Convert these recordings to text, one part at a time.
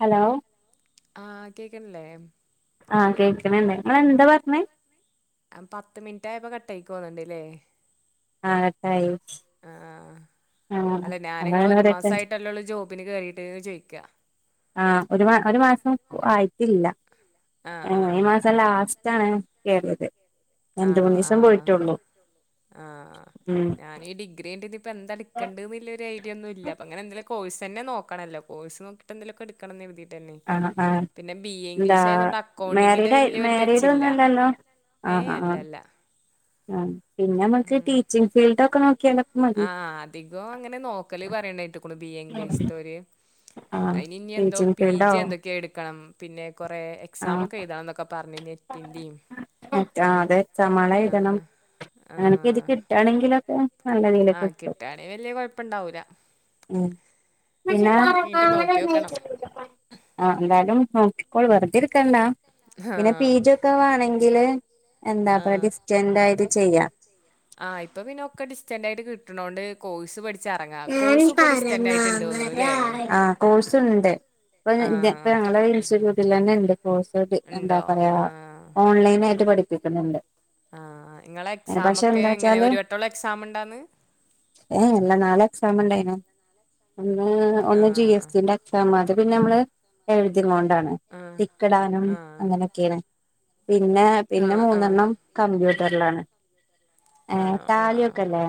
Hello ആഹ് കേക്ൺല്ലേ ആഹ് കേക്ണ് ണ്ട്. അഹ് പത്ത് മിനിറ്റായപ്പോ കട്ടായ്ക്കോന്ന്ണ്ട്ല്ലേ ആഹ് കട്ടായി. ആഹ് ആഹ് അല്ല ഞാനിങ്ങള് അതാണ് ഒര് അവരൊക്കെ മാസായിട്ടല്ലൊള്ളൂ ജോബിന് കേറീട്ട്ന് ചോയിക്ക്യാ. ആഹ് ഒര് മാ ഒര് മാസം ആയിട്ടില്ല. ആഹ് ഏഹ് ഈ ആഹ് മാസം ലാസ് റ്റാണ് കേറിയത് രണ്ട്, ആണോ മൂന്നീസം ആഹ് പോയിട്ടോള്ളൂ. ആഹ് ഞാന് ഈ ഡിഗ്രി ന്റിത് ഇപ്പൊ എന്താട്ക്കെണ്ടേന്ന് ഇല്ല്യ ഒര ഐഡിയ ഒന്നും ഇല്ല. അപ്പം അങ്ങനെ എന്തല് കോഴ്സ് തന്നെ നോക്കണല്ലോ കോഴ്സ് നോക്കിട്ട് എന്തോലൊക്കെ എടുക്കണം എന്ന് കരുതിയിട്ട് തന്നെയാ ആഹ് ആഹ് പിന്നെ പി എന്താ മരീഡായി ടച്ച് മരീഡ് ഇല്ല ഒന്നും അല്ല അല്ലോ ആഹ് ഏയ് അല്ല അല്ല ആ പിന്നെ നമക്ക് ടീച്ചിങ് ഫീൽഡ് ഒക്കെ നോ ആഹ് അധികം അങ്ങനെ നോക്കല് പറയെന്നോ കെട്ടേക്കുണു ആഹ് [unintelligible] അയിനി ഇനി എന്തോ ടീച്ചിങ് പി ഫീൽഡോ ജി എന്തൊക്കെയേ എട്ക്കണം പിന്നെ കൊറേ ആഹ് എക്സാമേയൊക്കെ എഴുതാംയൊക്കെ പറഞ്ഞ് നെറ്റിന്റെയും- ആ അതേ [unintelligible] അങ്ങനൊക്കെ ഇത് കിട്ടാണെങ്കിലൊക്കെ ആഹ് കിട്ടുവാണേൽ വല്ലിയ കൊഴപ്പോണ്ടാവൂല ഉം പിന്നെ ആ എന്താലും നോക്കിക്കോളു വെുതെ കണ്ടാ ആ പിന്നെ പി ജി ഒക്കെ വേണാങ്കില് എന്താ ഇപ്പാ ഡിസ്റ്റൻ്റെ ആയിട്ട് ചെയ്യാം ആഹ് ഇപ്പൊ പിന്നെ ഒക്ക ഡിസ്റ്റന്റ് ആയിട്ട് കിട്ടണോണ്ട് കോഴ്സ് പഠി തോന്നുന്നു അല്ലേ ആ കോഴ്സ് ഒണ്ട് ഇപ്പൊ ഞ ആ ഞങ്ങളെ ഇൻസ്റ്റിറ്റ്യൂട്ടി തന്നെ ഇണ്ട് [unintelligible] എന്താ ഉണ്ടോ പറയാ ആ ഓൺലൈനായി പഠിപ്പിക്കുന്നുണ്ട് ആഹ് നിങ്ങളെ പക്ഷെ എക്സാമോക്കെ എന്താ എങ്ങനെ ഒര് വെട്ടേയുള്ള എക്സാമിണ്ടാന്ന് ഏയ്‌ ഇല്ലാ നാളെ എക്സാം ഒണ്ടോയിനു ഒന്ന് ഒന്ന് ജി ആഹ് എസ് റ്റിന്റെ എക്സാം മ പിന്നെ നമ്മള് എഴതുംകൊണ്ടാണ് ആഹ് ടിക്ക് ഇടാനും ആഹ് അങ്ങനെയൊക്കേയാണ് പിന്നെ പിന്നെ ആഹ് ആഹ് മൂന്നെണ്ണം കമ്പ്യൂട്ടാറിലാണ് ഏയ്‌ ആണോ ആഹ് ടാലി ആഹ് ഒക്കയില്ലേ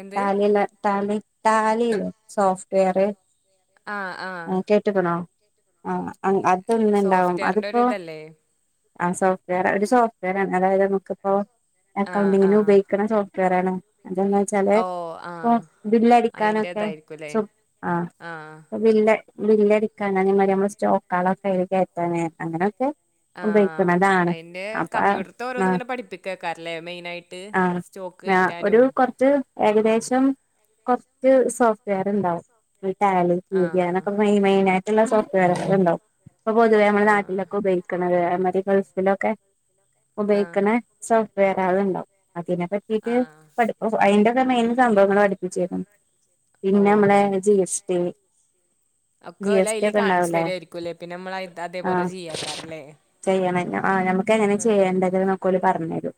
എന്ത് ടാലി തന്നെ ടാലി ടാലി സോഫ്റ്റ് വെയറ് ആഹ് കേട്ട്ക്കണോ ആഹ് ആഹ് അതൊന്ന് ഒണ്ടാവും സോഫ്റ്റ്വെയറിന്റെ ഒരു അതിപ്പോ- ഇതല്ലേ ആഹ് സോഫ്റ്റ് വെയ്ർ ഒര് സോഫ്റ്റ് വെയറാ ആണ് അതായത് നമക്ക് ഇപ്പോ ആഹ് അക്കൗണ്ടിങ്ങിന് ആഹ് ഉപയോഗിക്കാണ സോഫ് [unintelligible] ച്ചലോ ഓ ഇപ്പോ ആഹ് ബില്ല് അടിക്കാനൊക്കെ അയിന്റേതായിരിക്കുംല്ലേ ച്ചോ ആ ആഹ് ബില്ലാ ബില്ല് എട്ക്കാനേ മളെ സ്റ്റോകളൊക്കെ അയ്ല് കേറ്റാനേ ആ അയിന്റെ അപ്പൊ കമ്പ്യൂട്ടറെത്തെ ഓരോന്നും ആ ഇങ്ങനെ പഠിപ്പിക്കാല്ലേ മെയിനായിട്ട് സോ ങ്ങ ഒരു കുറച്ച് ഏകദേശം കുറച്ച് സോഫ്റ്റ്വെയർ ഉണ്ടാവും. [unintelligible] ആഹ് [unintelligible] മെയിനായിട്ടുള്ള സോഫ്റ്റ് വെയർ ഒക്കെ ഒണ്ടാക്കും ഇപ്പൊ പൊതുവേ നമ്മുടെ ആഹ് നാട്ടിലൊക്കെ ഉപയോഗിക്ക്ണത് അതെമാതിരി ഗൾഫിലൊക്കെ ആഹ് ഉപയോഗിക്കണ സോഫ്റ്റ് വെയർ അതിണ്ടോ അതിനെ പറ്റിയൊക്കെ ആഹ് പഠി അയിന്റെ മെയിൻ സംഭവങ്ങൾ പഠിപ്പിച്ചോക്കുന്നത് ഓ പിന്നെ നമ്മളെ ജി എസ് ടി വി ഒക്കെല് അതില് കാണിച്ചു ഉണ്ടാവൂലേ തരുവായിരിക്കുംല്ലേ പിന്നെ നമ്മളെ അതെപോലെ ചെയെക്കാരംല്ലേ ആ നമുക്കെങ്ങനെ ചെയ്യേണ്ടത് നൊക്കെഓല് പറഞ്ഞരും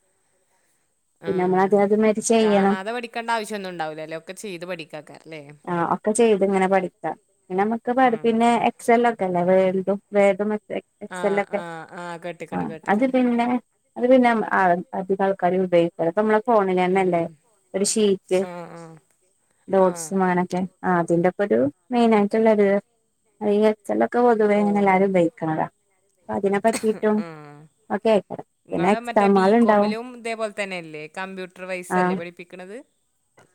പിന്നെ നമ്മള് ആഹ് അതിനകത്ത് കാണാതെ പഠിക്കേണ്ട ആവശ്യം ഒന്നും ഉണ്ടാവൂലല്ലേ ഒക്കെ ചെയ്ത് പഠിക്കാ അല്ലേ ആഹ് ഒക്കെ ചെയ്ത് ഇങ്ങനെ പഠിക്കാ പിന്നെ നമ്മുക്ക് പഠി പിന്നെ എക്സെല്ല ഒക്കെല്ലേ വേലിതും വേലിതും എ ആഹ് ചെലെക്കെ ആഹ് ആഹ് ആ കേട്ട്ക്ക്ണ് അത് കേട്ട്ക്ക്ണ് പിന്നെ അത് പിന്നെ അതിനക [unintelligible] ഉപയോഗിക്കണെ മ്മളെ ഫോണില്ന്നെ ഉം ഒരു ഷീറ്റ് ആഹ് ആഹ് നോട്സ് ആഹ് അങ്ങനെക്കെ ആ അതിന്റെ പരുവം മെയിനായിട്ട് ഉള്ളൊരു ഹയ്യേ അച്ഛനൊക്കെ പൊതുവെ ഇങ്ങനെ എല്ലാരും ഓഹ് ഉപയോഗിക്കണതാ അപ്പം അതിനെ പറ്റിട്ടും നിങ്ങള് മറ്റേ ബികോമിലും ഇതേപോല് തന്നെല്ലേ കമ്പ്യൂട്ടറ് വൈസ് ഇതല്ലെ പഠിപ്പിക്കണത്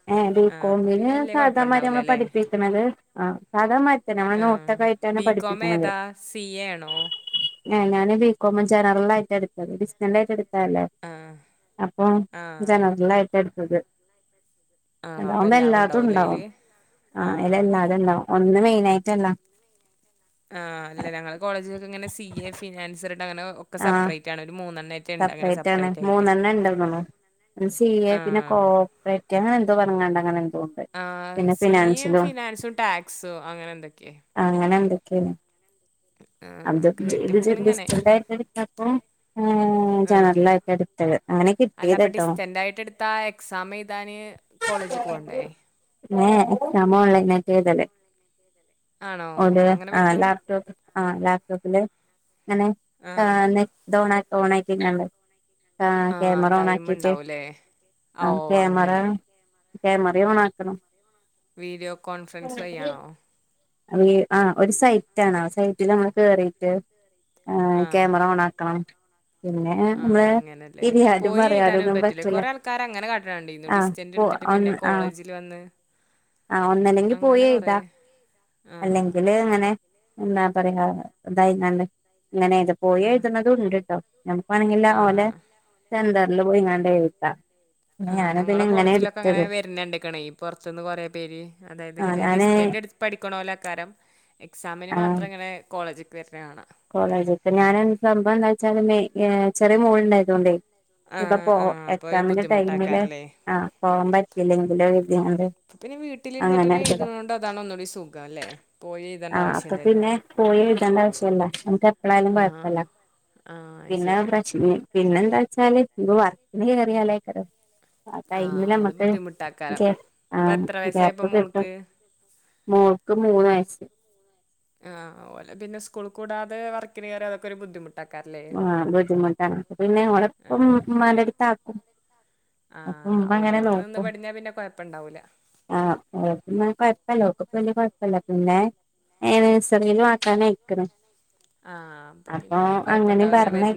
അ ഏ ആഹ് അപ്പം പിന്നെ ബികോമിന് വല്യ സാധാ മരമ കുഴപ്പണ്ടാവൂലല്ലേ പഠിപ്പിക്കണത് ആ സാധാമാതിരി തന്നെ നമ്മൾ നോട്ടക്കെ ആയിട്ട് ബി കോം ഏതാ സി എ ആണോ ഹ ഞാന് ബികോം ജനറൽ ആയിട്ട എടുത്തത് ബിസിനായി് എടു അല്ലേ ആഹ് അപ്പൊ ആഹ് ജനറലായിട്ട് എടുത്തത് ആണോ അപ്പം അതാവുമ്പോ എല്ലാതും എല്ലാത്തും ഉണ്ടാവൂലേ ഉണ്ടാവും അയില് ആ അതില് ആഹ് എല്ലാതും ഉണ്ടാവും ഒന്നും മെയിനായിറ്റല്ല ആ അല്ല ഞങ്ങള് കോളേജിലൊക്കെ ഇങ്ങനെ സി എ ഫിനാൻസ് അങ്ങനെ ഒക്കെ സപ്രേറ്റാണ് ഒരു മൂന്നെണ്ണയി സപ്പറേറ്റാണ് മൂന്നെണ്ണം ഇണ്ടന്നൊള്ളു സി എ പിന്നെ ആഹ് കോപ്പറേറ്റ് അങ്ങനെ എന്തോ പറഞ്ഞങ്ങാട്ട് അങ്ങനെ എന്തോ ഒണ്ട് പിന്നെ ഫിനാൻഷ്യലും ടാക്സോ ടാക്സോ അങ്ങനെ എന്തൊക്കെയെ അനന്തൊക്കയാണ് ആഹ് അത് ചെയ്ത് കേട്ട്ക്ക്ണ് ചെയ്ത് ഇങ്ങനെ ഡിസറ്റൻ്റ് ആയി എടുത്തപ്പോ ജനറലായിട്ട് എടുത്തത് അങ്ങനെ കിട്ടിയത് അല്ലപ്പൊ കേട്ടോ ഡിസ്റ്റന്റ് ആയിട്ട് എടുത്ത ആ എക്സാം എഴുതാന് കോളേജ് ക്ക് പോവണ്ടേ ഉം ന ഓൺലൈൻയായിട്ട് എഴുതല് ആണോ ഓൺ ലൈൻ അങ്ങനെ ആ പറ്റും ലാപ്ടോപ്പ് ആ ലാപ്ടോപ്പില് ഇങ്ങനെ ആഹ് നെറ്റ് ഓൺ ഓണായിട്ട് [unintelligible] ആ ആഹ് കേമറ ടൈം ഓണാക്കി വെച്ചെ ഉണ്ടാവൂലേ ഓ ആ കേമറ അങ്ങനെ കേമറ ഓണക്കണം വീഡിയോ കോൺഫറൻസ് വഴിയാണോ അ ആ ഒരു സൈറ്റ് ആണ് ആ സൈറ്റില് നമ്മക്ക് കേറിട്ട് ആ ആഹ് ക്യാമറ ഓണക്കണം ആ അങ്ങനെല്ലേ തിരിയാനും പോയി എഴുതാനും പറയാനൊന്നും പറ്റില്ലേ പറ്റൂല കൊറെ ആൾക്കാര് അങ്ങനെ കാട്ട്ണണ്ടുന്നു ആഹ് ഡിസ്റ്റൻറ് എടുത്തിട്ട് പിന്നെ കോളേജിൽ വന്ന് ആ ഒന്നല്ലെങ്കി പോയി അങ്ങനെ കുറേ എഴുതാ ആ അല്ലെങ്കില് അങ്ങനെ എന്താ പറയാ ഇതായി നല്ലേ ഇങ്ങനെ ഇത് പോയി ആ എഴുത‌ണതും ഉണ്ട്ട്ടോ ഞമ്ക്കാണെങ്കില് ആ ഓലെ സെന്ററില് പോയിങ്ങാണ്ടെഴുത്താം ആ ഞങ്ങളെ കോളേജിലൊക്കെ അങ്ങനെ വെര്ണെണ്ടക്കനെ ഈ പുറത്തൂന്ന് കൊറേ പേര് അതായത് ആഹ് ഇങ്ങനെ ഞാന് ഡിസ്റ്റൻറ് എടു പഠി നിക്കോണൊലകരം എക്സാമിന് മാത്രം ഇങ്ങനെ കോളേജക്ക് വരുന്നത് കാണാം കോളേജ് ഒക്കെ ഞാൻ സംഭവം എന്താന്ന് വെച്ചാല് ചെറിയ മോളു ണ്ടായതുകൊണ്ടേ ആ ഇപ്പൊ പോ ആ അപ്പോൾ ഒരു എക്സാമിന്റെ ടൈമില് ബുദ്ധിമുട്ടാക്കാറല്ലേ ആ പോവാൻ പറ്റിയില്ലെങ്കിലേ [unintelligible] അപ്പോൾ പിന്നെ വീട്ടിലിരുന്നിട്ട് എഴുത്തുണ്ടോണ്ട് അതാണ് ഒന്നുകൂടി സുഖം അല്ലേ പോയി എഴുതേണ്ട ആവശ്യ ഇല്ലല്ലോ എഴുത്തണ്ടവശ്യല്ല നമക്ക് എപ്പഴായാലും കൊയപ്പല്ല ആ അത് പിന്നെ ശരിയാണ് പ്രശ്ന പിന്നെന്താ വച്ചാല് [unintelligible] ആ ടൈമില് ആഹ് അത് നമ്മക്ക് ബുദ്ധിമുട്ടാക്കാരം ഇപ്പ ആഹ് എത്ര വയസ്സായപ്പോ ഗ്യാപ്പ് കിട്ടും. മോൾക്ക് മോൾക്ക് മൂന്നയസ് ആഹ് ഓലെ പിന്നെ സ്കൂൾള്ക്ക്ടാതെ വർക്കിന് കയറിയ അതൊക്കൊരു ബുദ്ധിമുട്ട് ആ ബുദ്ധിമുട്ടാണ്. പിന്നെ ഓളെ ആഹ് [unintelligible] അപ്പൊ ആഹ് ഉമ്മ അങ്ങനെ ഓലടുത്ത്നിന്ന് നോക്കും പടിഞ്ഞാ പിന്നെ കൊയപ്പണ്ടാ ആഹ് ഓൽക്കൊന്നും കൊയപ്പല്ലാ. ഇപ്പവല്യ കൊയപ്പില്ല. പിന്നെ ഏനെയ്സറിയിലും ആക്കാനായിക്ക്ണു. ആഹ് അപ്പപ്പിന്നെ കൊയ [unintelligible] പറഞ്ഞയി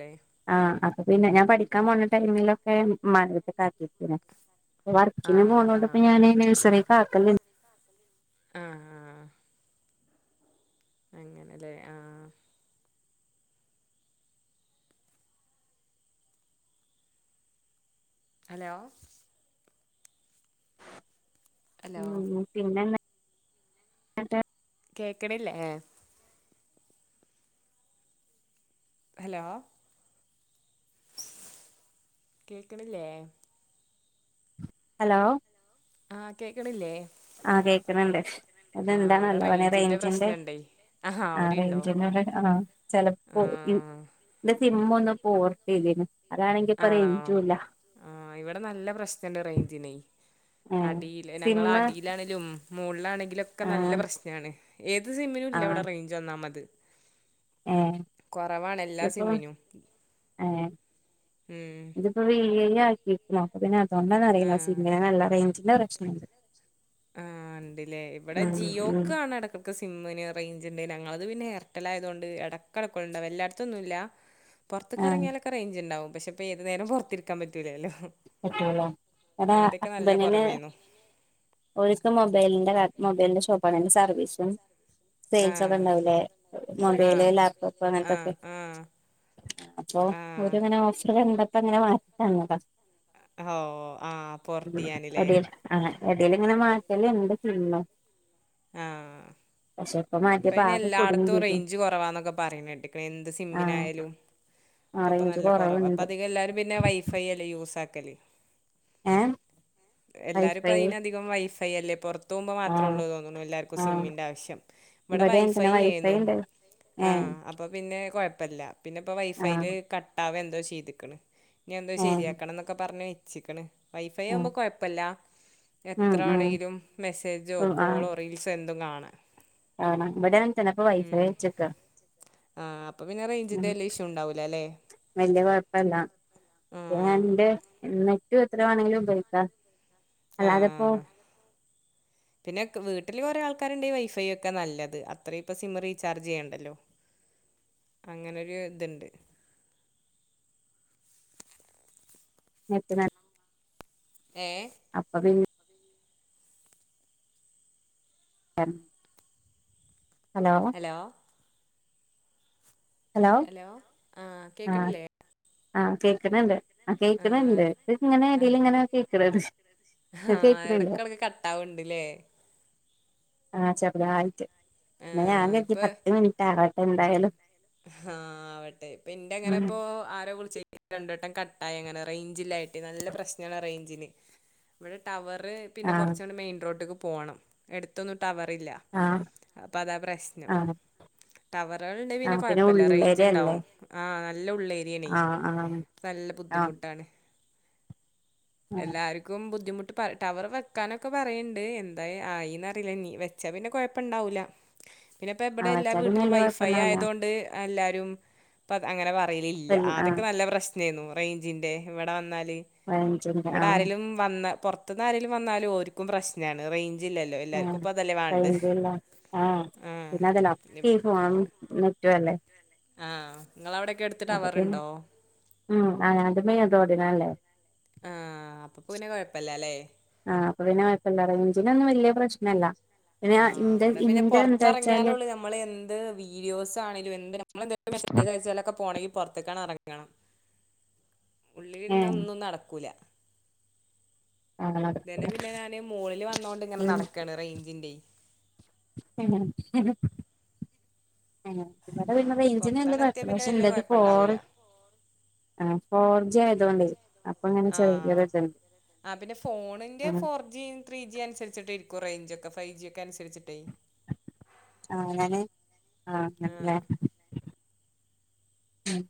ല്ലേ ആ അപ്പപ്പിന്നെ ഞാൻ പഠിക്കാൻപോണ ടൈം ടൈമിലൊക്കെ ഇമ്മാനെട്ക്കാക്കിയിരിക്കണ് വർക്കിന് ആഹ് പോണൊണ്ട് ആഹ് പ്പഞാന് നേഴ്സറിയി [unintelligible] ആഹ് ആഹ് അങ്ങനെല്ലേ ആഹ് ഹലോ ഹലോ ഉം പിന്നെന്നാ മറ്റേ കേക്കണില്ലേ ഹലോ കേക്കണില്ലേ ഹലോ ആഹ് കേക്ക്ണില്ലേ ആഹ് കേക്കണണ്ട് അതെന്താ ഇവിടെ നല്ലപോലെ റേഞ്ചിന്റെ പ്രശ്നണ്ടേ ആഹാ ആ അവിടെണ്ടോ റേഞ്ചിന്റെ അ ആഹ് ചെലപ്പോ ആഹ് ന്റെ സിമ്മൊന്ന് പോർട്ടെയ്തിന് അതാണെങ്കി ഇപ്പ ആണോ റേഞ്ചുല്ല ആഹ് ഇവിടെ നല്ല പ്രശ്നുണ്ട് റേഞ്ചിനേ ഏഹ് അടിയിൽ ഞങ്ങൾ സിമ്മ് അടിയിലാണെങ്കിലും മോളിലാണെങ്കിലൊക്കെ നല്ല ആഹ് പ്രശ്നാണ് ഏത് സിമ്മിനും ഇല്ല അവിടെ ആഹ് റേഞ്ച് ഒന്നാമത് ഏഹ് കൊറവാണെല്ലാ ഇതിപ്പോ സിമ്മിനും ഉം ആക്കിക്കുണു അപ്പപിന്നെ അതൊണ്ടാന്നറിയില്ല ആഹ് സിമ്മിന് നല്ല റേഞ്ചിന്റെ പ്രശ്നമുണ്ട് ആ ഇണ്ട്ലേ ഇവിടെ ഉം ജിയോക്കാണ് ഇടക്കൊക്കെ സിമ്മിന് റേഞ്ച്ന്റെ ഞങ്ങള് ഇത്പിന്നെ എയർടെൽ ആയത്കൊണ്ട് ഇടക്കെടക്കുണ്ട് എല്ലായിടത്തൊന്നുല്ല ആഹ് പൊറത്ത്ക്കെറങ്ങിയാലൊക്കെ റേഞ്ച്ണ്ടാവും പക്ഷെ ഇപ്പ ഏത് നേരവും പൊറത്തിരിക്കാൻ പറ്റൂലല്ലോ പറ്റൂല ഇങ്ങടാ ആദ്യൊക്കെ നല്ല ഹസ്ബന്റിന് കുറവേന്നു ഒരിക്ക മൊബൈലിന്റെ മൊബൈലിന്റെ ഷോപ്പാണ് അയിന്റെ സർവ്വീസും സെയിൽസൊക്കെ ആഹ് ഉണ്ടാവൂലേ മൊബൈല് ആഹ് ലാപ്ടോപ്പ് ആഹ് അങ്ങനത്തൊക്കെ ആഹ് അപ്പൊ ആഹ് ഓരിങ്ങനെ ഓഫർ കണ്ടപ്പോ ഇങ്ങനെ വാങ്ങിത്തന്നതാ ഓഹ് ആഹ് പോർട്ടെയ്യാന്ലേ എടേലിങ്ങനെ മാറ്റലും ഇതെക്ക്ടണം ആഹ് മാറ്റിയപ്പോ ഇപ്പയിന് ആകെ കുടുങ്ങി എല്ലാടത്തും ചെയ്തു റേഞ്ച് കുറവാന്നൊക്കെ പറയണകേട്ട്ക്ക്ണ് എന്ത്‌ ആഹ് സിമ്മിനായാലും ആഹ് ക്കൊപ്പ റേഞ്ച് നല്ല കുറവാ ഇപ്പ കൊറവുണ്ട് അധികം എല്ലാരും പിന്നെ വൈഫൈയല്ലേ യൂസാക്ക്ണ് ഏ എല്ലാരും ഇപ്പ അയിനധികം വൈഫൈയല്ലേ പുറത്ത് പോകുമ്പൊ ആഹ് മാത്രൊള്ളൂ തോന്നുണു എല്ലാർക്കും ആഹ് സിമ്മിന്റാവശ്യം ഇവിടെ അങ്ങനെ വൈഫൈ വൈഫൈയേന്നു ഉണ്ട് ഏ ആ അപ്പൊ പിന്നെ കൊഴപ്പില്ല പിന്നെപ്പ യില് ആഹ് കട്ടാവെന്തോ ചെയ്തക്കണ് ഇനി എന്തോ ഏഹ് ആഹ് ശരിയാക്കണന്നൊക്കെ പറഞ്ഞ് വെച്ചേക്കണ് വൈഫൈ ആവുമ്പോ കൊയപ്പില്ല ഉം ഉം എത്രവേണെങ്കിലും മെസ്സേജോ കോളോ റീൽസൊ എന്തും കാണ ആണാ ഇവിടെ അങ്ങനെതന്നെപ്പൊ വൈഫെ വെച്ചേക്ക ആഹ് അപ്പ പിന്ന റഞ്ചിന്റെ വല്യ ഇഷ്യുണ്ടാവില്ല വല്യ കൊഴപ്പില്ല ആ [unintelligible] നെറ്റും എത്ര വേണെങ്കിലും ഉപയോഗിക്കാം ആ അല്ലാതെപ്പോ പിന്നെ ക്ക് വീട്ടില് കുറെ ആൾക്കാരുണ്ടെ വൈഫൈ വെക്കാ നല്ലത് അത്രയും ഇപ്പം സിം റീചാർജ് ചെയ്യണ്ടല്ലോ അങ്ങനൊരു ഇത്ണ്ട് [unintelligible] ഏ അപ്പൊ പിന്നെ എൻ ഹലോ ഹലോ ആ കേക്കണില്ലേ ആ കേക്കണ് ണ്ട് ആ കേക്കണ് ണ്ട് ഇങ്ങനെ ഡെയിലി ഇങ്ങനാ കേക്കണത് ആ എടക്കെടക്ക് കട്ടാവ്ണ്ട്ല്ലേ ആ ചെറുതായിട്ട് ആ പിന്നെ ഞാൻ വിചാരിച്ച് ഇപ്പൊ പത്ത് മിനിറ്റ് ആവട്ടെ എന്തായാലും ആ ആവട്ടെ പി ന്റെ അങ്ങനെ ഉം പ്പോ ആരോ വിളിച്ചേ രണ്ടുവട്ടം ക ആയിങ്ങനെ റേയ്ഞ്ചില്ലായിട്ടേ നല്ല പ്രശ്നാണ് റേയ്ഞ്ചിന് ഇവിടെ ടവ റ് പിന്നെ ആഹ് കൊറച്ചൊന്ന് മെയിൽ റോട്ടിക്ക് പോണം എടുത്തൊന്നു ടവറില്ല ആഹ് അപ്പൊ അതാ പ്രശ്നം ആഹ് ടവറുകള്ണ്ടെ പിന്നെ ആഹ് പത്തല്ല ഉള്ളേരിയല്ലേ റേയ്ഞ്ചിണ്ടാവും ആ നല്ല ഉള്ളേ ഏരിയാണേ ആഹ് ആഹ് നല്ല ആഹ് ബുദ്ധിമുട്ടാണ് ആഹ് എല്ലാർക്കും ബുദ്ധിമു ട് പ ടവർ വെക്കാനൊക്കെ പറയ്ണ്ട് എന്തെ ആയിന്ന്റിയില്ല നീ വെച്ചാ പിന്നെ കൊഴപ്പണ്ടാവൂല പിന്നെപ്പെ ആ ബിടെ എല്ലാ വെച്ചാ പിന്നെ വീട്ടിലും വല്യ വൈഫൈ ആയ കുഴപ്പണ്ടാവില്ല ണ്ട് എല്ലാരും അങ്ങനെ പറയലില്ല ആഹ് ആദ്യോക്കെ നല്ല പ്രശ് നേന്നു റേയ്ഞ്ചിന്റെ ഇവിടെ വന്നാല് പതിനഞ്ചിന്റെ ഇവിടെ ആഹ് ആരേലും വന്ന പൊറത്തുന്നാരേലും വന്നാലും ഓൽക്കും പ്രശ്നമാണ് റേയ് ആ പഴഞ്ചൊല്ല ആഹ് ആപിന്നൊണ്ടല്ലോ [unintelligible] റ്റെ അല്ലേ ആ അത്പിന്നെ മ് അ അത് മെയിൻ റോഡിനല്ലേ ആ അപ്പൊപ്പൊ പിന്നെ കൊഴപ്പല്ലല്ലേ ന്നൊന്നും വലിയ പ്രശ്നല്ല പിന്നെ ആ ഇന്റെ അവിടെ പിന്നെ ഇന്റെ എന്താ വെച്ചാല് പൊറത്തെറങ്ങിയാലൊള്ളൂ നമ്മള് എന്ത് വീഡിയോസാണേലും എന്ത് നമ്മളെന്തെലും മെസേജയച്ചാലൊക്കെ പോണെങ്കിൽ പൊറത്തേക്കാണ് എറങ്ങണം ഉള്ളിലിരുന്ന് ഏഹ് ഒന്നും നടക്കൂല ഇന്നലെ പിന്നെ ഞാന് മോളില് വന്നോണ്ട് ഇങ്ങനെ നടക്കാണ് റേയ്ഞ്ചിന്റെ ഇവിടെ വരുന്ന റയ്ഞ്ചിന് വല്ല്യ പുറത്താണ് എത്തിയാൽ കൊഴപ്പില്ല പിന്നെ പക്ഷെ വലിയ ഇള്ളത് ഫോർ കുഴപ്പമുണ്ടാവൂല ആ ഫോർജി ആയതുകൊണ്ടെ ആ ആ പിന്നെ ഫോണിന്റെ ആഹ് ഫോർ ജി ത്രീ ജി അനുസരിച്ചിട്ടിരി കുറേഞ്ച് ഒക്കെ ഫൈ ജി ഒക്കെനുസരിച്ചിട്ടേ ആ അങ്ങനെ ആ അങ്ങനെല്ലേ ഉം